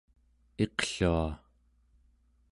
iqlua